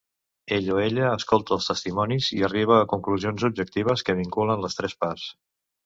Ell o ella escolta els testimonis i arriba a conclusions objectives que vinculen les tres parts.